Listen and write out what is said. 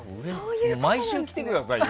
毎週来てくださいよ。